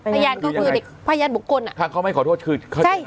พยานก็คือเด็กพยานบุคคลอ่ะถ้าเขาไม่ขอโทษคือใช่